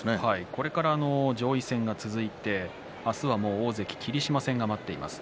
これから上位戦が続いて明日は大関霧島戦が待っています。